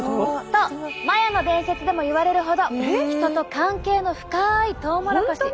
とマヤの伝説でも言われるほど人と関係の深いトウモロコシ。